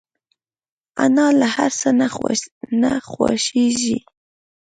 انا له هر څه نه خوښيږي